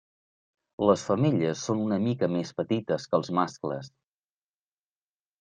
Les femelles són una mica més petites que els mascles.